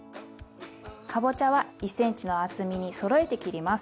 かぼちゃは１ｃｍの厚みにそろえて切ります。